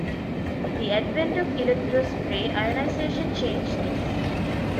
The advent of electrospray ionization changed this.